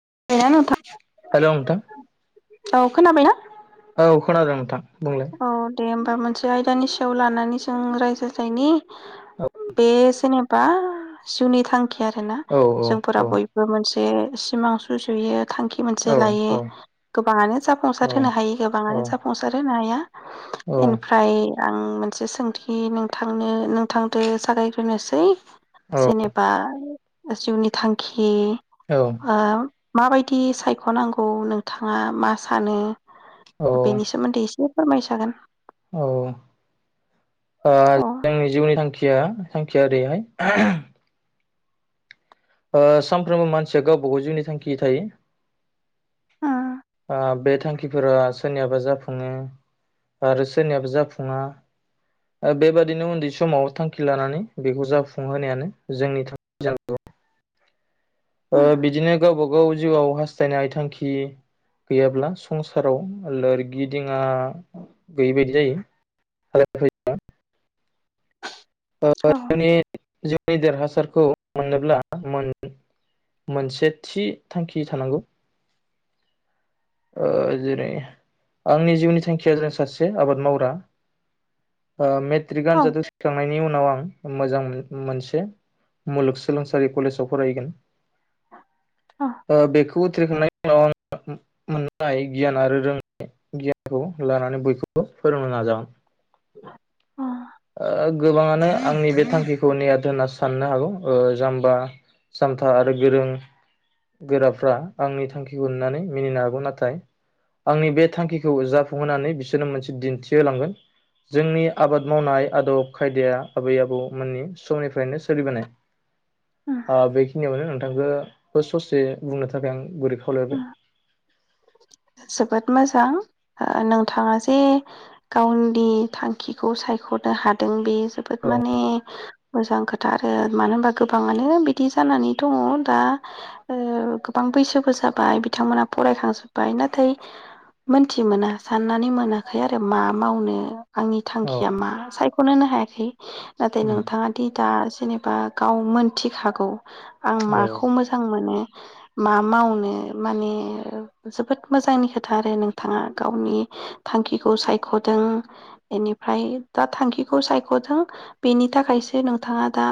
[unintelligible] Hello नोंथां। औ खोनाबायना? औ खोनादों नोंथां। बुंलाय औ दे होम बा मोनसे आयदानि सायाव लानानै जों रायज्लायनायनि बे जेनेबा जिउनि थां खि आरो ना औ औ जोंफोरा औ बयबो मोनसे जे सिमां सुजुयो। थांखि मोनसे औ लायो गोबाङानो जाफुंसार औ होनो हायो औ गोबाङानो जाफुंसार होनो हाया। इनिफ्राय आं मोनसे सोंथि नोंथांनो नोंथांदो जागायग्रोनोसै। जेनेबा जिउनि थांखि ओ माबायदि सायखनांगौ नोंथाङा मा सानो? औ औ बेनि सोमोन्दै एसे फोरमायजागोन। औ ओ औ जोंनि जिउनि थांखि खिया थांखिया ओरैहाय ओ सानफ्रोमबो मानसिया गावबा गाव जिउनि थांखि थायो। उम ओ बे थांखिफोरा सोरनियाबा जाफुङो आरो सोरनियाबो जाफुङा ओ बेबादिनो उन्दै समाव थांखि लानानै बेखौ जाफुं होनायानो जोंनि थांखि जानांगौ। ओ‌ उम बिदिनो गावबा गाव जिउआव हास जायनाय थांखि गैयाब्ला संसाराव लोरगि दिङा गैयि बायदि जायो आरो खायफा औ [unintelligible] जिवनि देरहासारखौ मोननोब्ला मोन मोनसे थि थांखि थानांगौ। ओ‌ जेरै आंनि जिउनि थांखिया जा सासे आबाद मावग्रा। ओ मेट्रिक औ आनजाद उथ्रिखांनाय बेनि उनाव आं मोजां मोन-मोनसे मुलुगसोलोंसालि कलेजाव फरायगोन। औ ओ बेखौ खौ उथ्रिखांनायनि उनाव आं मोननाय गियान आरो रोंनाय गियानखौ लानानै बयखौबो फोरोंनो नाजागोन। [inaudible] ओ गोबाङानो आंनि बे थांखिखौ नेहाद होनना साननो हागौ ओ जाम्बा जामथा आरो गोरों-गोराफ्रा। आंनि थांखिखौ नुनानै। मिनिनो हागौ नाथाय आंनि बे थांखिखौ जाफुंहोनानै बिसोरनो मोनसे दिन्थिहोलांगोन जोंनि आबाद मावनाय आदब खायदाया आबै आबौमोननि समनिफ्रायनो सोलिबोनाय। उम आ बेखिनिआवनो नों नोंगो बे ससे बुंनो थाखाय आं गुरै खावलायहरबाय उम जोबोद मोजां ओ नोंथाङा जे गावनि थांखिखौ सायखनो हादों बे जोबोद औ माने मोजां खो थ आरो मानो होनबा गोबाङानो बिदि जानानै दङ दा ओ गोबां बैसोबो जाबाय बिथांमोनहा फरायखांजोब बाय नाथाय मोनथि मोना साननानै मोनाखै आरो मा मावनो आंनि औ थांखिया मा सायख खनो नो हायाखै नाथाय उम नोंथाङा दि दा जेनेबा गाव मोनथिखागौ आं औ माखौ मोजां मोनो मा मावनो माने जोबोद मोजांनि खोथा आरो नोंथाङा गावनि थांखिखौ सायखदों एनिफ्राय दा थांखिखौ सायखथों बेनि थाखायसो नोंथाङा दा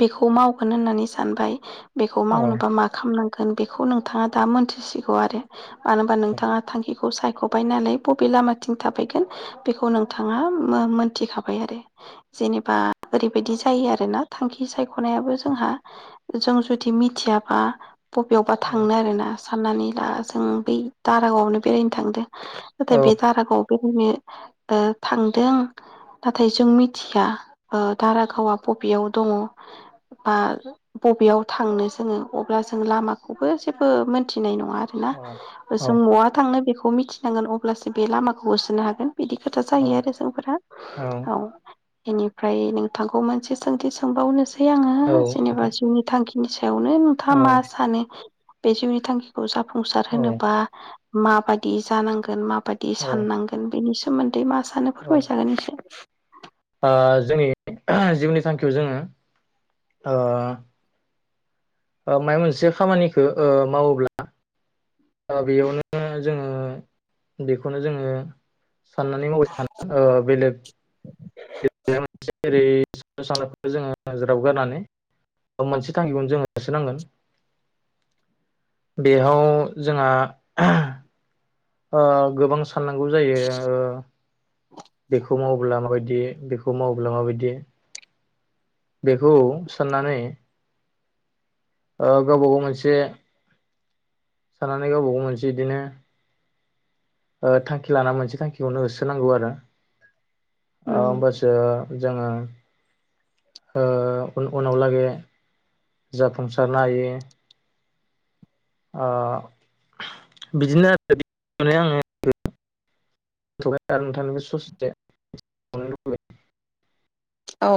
बेखौ मावगोन होननानै सानबाय। बेखौ औ मावनोबा मा खालामनां गोन बिखौ नोंथाङा दा मोनथिसि खौ आरो मानो होनबा नोंथाङा थांखि खौ सायखबाय नालाय बबे लामाथिं थाबायगोन बेखौ नोंथाङा मो मोनथिखाबाय आरो जेनेबा ओरैबायदि जायो आरोना थांखि सायखनायाबो जोंहा जों जुदि मिथियाबा बबेयावबा औ थांनो आरोना साननानै दा जों बै दारागावआवनो बेरायनो थांदो औ नाथाय बे दारागाव [unintelligible] ओ थांदो [unintelligible] ओ थांदों नाथाय जों मिथिया ओ दारागावा बबेयाव दङ बा बबेयाव थांनो जोङो अब्ला जों लामाखौबो जेबो मोनथिनाय नङा ना औ जों महा थांनो बेखौ खौ मिथिनांगोन अब्लासो बे लामाखौ होसोनो हागोन बिदि खोथा जायो आरो औ जोंफोरा औ इनिफ्राय नोंथांखौ मोनसे सोंथि सोंबावनोस सै औ आङो जेनेबा नोंथां जिउनि थांखि [inaudible] [unintelligible] नोंथाङा औ मा सानो बे जिउनि थांखिखौ जा फुंसार औ होनोबा माबायदि जानांगोन मा बादि साननांगोन बिनि सो [unintelligible] दे मासानो औ फोरमायजागोन एसे ओ जोंनि जिउनि थांखियाव जोङो ओ ओ मायबा मोनसे खामानिखो ओ मावोब्ला ओ बेयावनो जोङो बिखौनो जोङो साननानै मावबाय [unintelligible] जोङो ज्राब गारनानै बेयाव मोनसे थांखिखौनो जोङो होसोनांगोन बेहाव जोंहा ओ गोबां स साननांगौ जायो ओ बेखौ मावोला माबायदि बेखौ मावोब्ला माबायदि बेखौ साननानै ओ गावबा गाव मोनसे सानानानै गावबा गाव मोनसे इदिनो ओ थांखि लाना मोनसे थांखिखौनो होसोनांगौ आरो आ उम ओमबासो जोङो ओ उन-उनाव लागै जाफुंसारनो हायो ओ बिदिनो [unintelligible] औ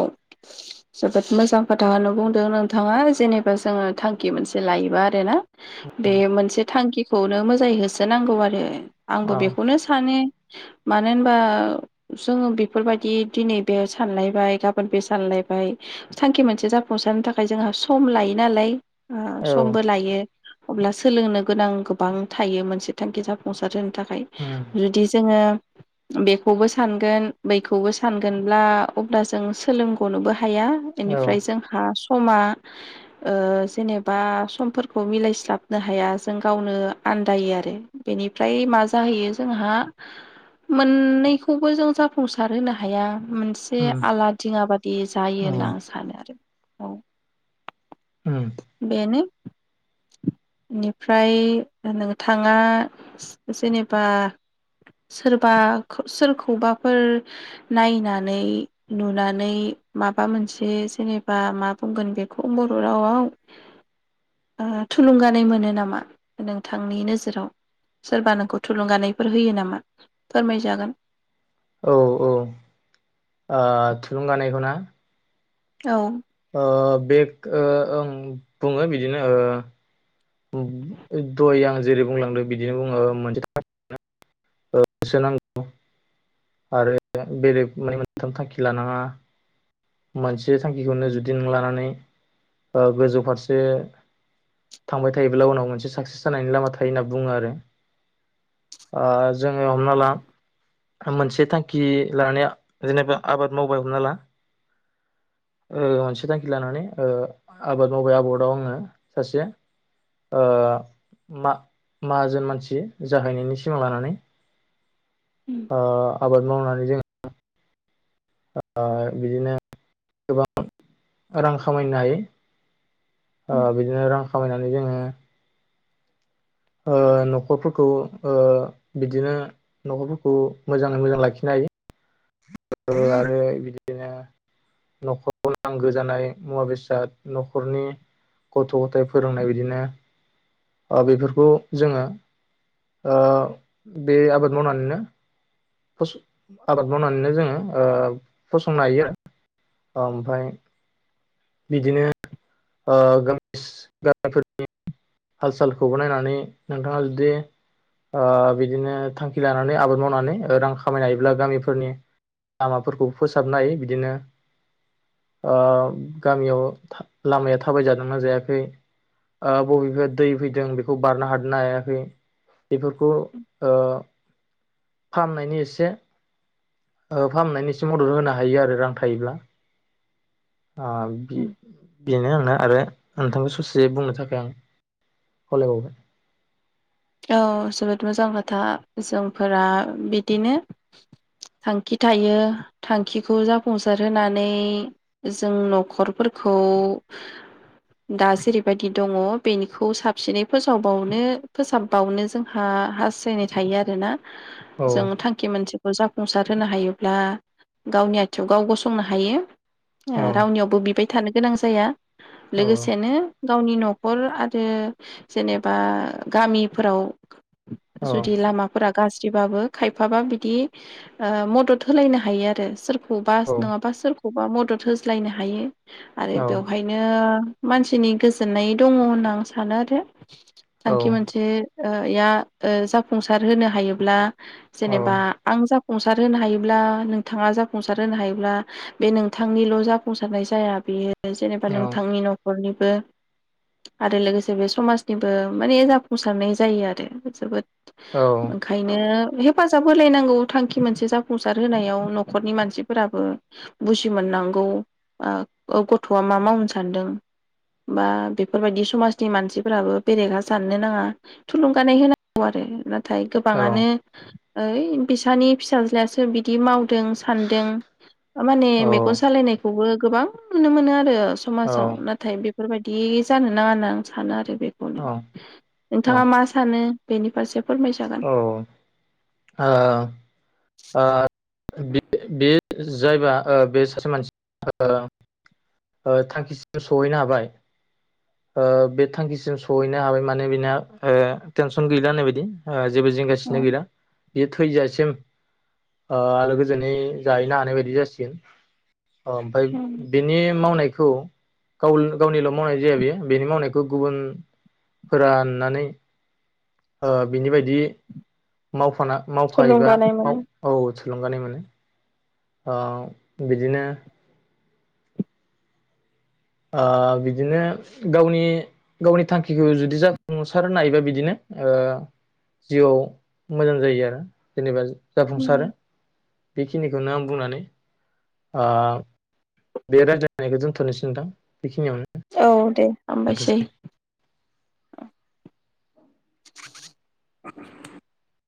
जोबोद मोजां खोथाखौनो बुंदों नोंथाङा जेनेबा जोङो थांखि मोनसे लायोबा आरोना लुबैबाय बे मोनसे थांखिखौनो मोजाङै होसोनांगौ आरो आंबो औ बेखौनो सानो मानो होनबा जोङो बेफोरबायदि दिनै बे साननाय बाय गाबोन बे सानलायबाय थांखि मोनसे जाफुंसारनो थाखाय जोंहा सम लायो नालाय औ समबो लायो अब्ला सोलोंनो गोनां गोबां थायो मोनसे थांखि जाफुंसार होनो थाखाय जुदि जोङो बेखौबो सानगोन बैखौबो सानगोनब्ला अब्ला जों सोलोंग'नोबो हा हाया औ बेनिफ्राय जोंहा स समा ओ जेनेबा समफोरखौ मिलायस्लाबनो हाया जों गावनो आन्दायो आरो बेनिफ्राय मा जाहैयो जोंहा मोननैखौबो जों जाफुंसार होनो हाया ओम बे उम आला दिङाबाद दि जायोना उम सानो आरो औ उम बेनो बेनिफ्राय नोंथाङा जेनेबा सोरबा सोरखौबाफोर नायनानै नुनानै माबा मोनसे जेनेबा मा बुंगोन बेखौ बर' रावआव ओ थुलुंगानाय मोनो नामा नोंथांनि नोजोराव सोरबा नोंखौ थुलुंगानायफोर होयो नामा फोरमायजागोन औ औ आह थुलुंगानायखौ ना औ ओ बेग ओ ओं बुङो बिदिनोओ दय आं जेरै बुंलांदों बिदिनो बुङो मोनसे हो सोनांगौ आरो बेले माने मोनथाम थांखि लानाङा मोनसे थांखिखौनो जुदि नों लानानै ओ गोजौ फारसे थांबाय थायोब्ला उनाव मोनसे साक्सेस जानायनि लामा थायो होनना बुङो आरो ओ जोङो हमना ला मोनसे थांखि लानाया जेनेबा आबाद मावबाय हमना ला ओ मोनसे थांखि लानानै ओ आबाद मावबाय आबादाव आङो सासे ओ मा-माहाजोन मानसि जाहैनायनि सिमां लानानै आह आबाद मावनानै जों आ बिदिनो गोबां रां खामायनो हायो ओ बिदिनो रां खामायना जोङो ओ न'खरफोरखौ ओ बिदिनो न'खरफोरखौ मोजाङै मोजां लाखिनो हायो ओ आरो बिदिनो न'खराव नांगौ जानाय मुवा बेसाद न'खरनि गथ' गथायाइ फोरोंनाय बिदिनो ओ बेफोरखौ जोङो ओ बे आबाद मावनानैनो फसं आबाद मावनानैनो जोङो ओ फसंनो हायो ओमफाय बिदिनो ओ गामिस गामिफोरनि हाल सालखौबो नायनानै नोंथाङा जुदि ओ बिदिनो थांखि लानानै आबाद मावनानै रां खामायनो हायोब्ला गामिफोरनि लामाफोरखौ फोसाबनो हायो बिदिनो ओ गामियाव था लामाया थाबाय जादों ना जायाखै आ बबेबाया दै फैदों बेखौ बारनो हादोंना हायाखै बेफोरखौ ओ फाहामनायनि एसे फाहामनायनि एसे मदद होनो हायो आरो रां थायोब्ला आ बि बेनो आरोना आरो नोंथांखौ ससे बुंनो थाखाय आं खावलायबावबाय औ जोबोद मोजां खोथा जोंफोरा बिदिनो थांखि थायो थांखिखौ जाफुंसार होनानै जों न'खरफोरखौ दा जेरैबायदि दङ बेनिखौ साबसिनै फोसावबावनो फोसाबबावनो जोंहा हास्थायनाय थायो आरोना जों औ थांखि मोनसे जाफुंसार होनो हायोब्ला गावनि आथिंआव गाव गसंनो हायो औ आरावनियावबो बिबाय थानो गोनां जाया औ लोगोसेनो गावनि न'खर आरो जेनेबा गामिफोराव जुदि लामाफोरा गाज्रिबाबो खायफाबा बिदि ओ मदद होलायनो हायो आरो सोर औ बास नङाबा सोरख खौबा मदद होज्लायनो हायो आरो औ बेवहायनो मानसिनि गोजोननाय दङ होनना आं सानो आरो औ थांखि मोनसे ओ या ओ जाफुंसार होनो हायोब्ला जेनेबा औ औ आं जा फुंसार होनो हायोब्ला नोंथाङा जाफुंसार होनो हायोब्ला बे नोंथांनिल जाफुंसारनाय जाया बेयो जेनेबा औ औ नोंथांनि नखरनि बो आरो लोगोसे बे समाजनिबो माने जाफुंसारनाय जायो आरो ओ जोबोद ओंखायनो हेफ फाजाब होलायनांगौ थांखि मोनसे जाफुंसार होनायाव नखरनि मानसिफोराबो बुजिमोनांगौ आं ओ गथआ मा‌ मावनो सान्दों बा बेफोरबादि समाजनि मानसिफोराबो बेलेगा जाननो नाङा थुलुंगानाय होनांगौ आरो नाथाय गोबाङानो ओइ बिसानि फिसाज्लायासो बिदि माव दों सानदों माने मेगन सालायनायखौबो गोबां नुनो मोनो आरो समाजाव नाथाय बे बेफोरबायदि जानो नाङा होनना आं सानो आरो बेखौनो नोंथाङा मा सानो नों बेनि फारसे फोरमायजागोन औ आ ओ बि बे जायबा ओ बे सासे मानसि ओ ओ थांखिसिम सहैनो हाबाय ओ बे थांखिसिम सहैनो हाबाय माने बिना ओ टेनसन गैला होननाय बायदि ओ जेबो जिंगासिनो औ गैला बेयो थैजासिम ओ आलो गोजोनै जाहैनो हानाय बायदि जासिगोन अ ओमफाय औ बिनि मावनायखौ गावल गावनिल मावनाय जाया बेयो बेनि मावनायखौ गुबुनफोरा नुनानै ओ बिनि बायदि माव फाना मावफायोबा थुलुंगानाय माव मोनो औ थुलुंगानाय मोनो आ बिदिनो आ बिदिनो गावनि गावनि थांखिखौ जुदि जाफुंसारो हायोबा बिदिनो ओ जिउआव मोजां जायो आरो जेनेबा जाफुंसारो बेखिनिखौनो आं बुंनानै आ बे रायज्लायनायखौ दोन्थनोसै नोंथां बेखिनियावनो औ दे हामबायसै [unintelligible]